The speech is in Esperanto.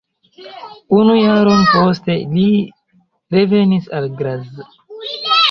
Unu jaron poste li revenis al Graz.